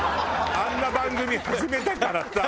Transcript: あんな番組始めたからさ。